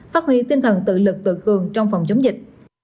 phát huy tinh thần tự lực tự cường trong phòng chống dịch